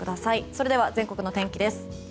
それでは全国の天気です。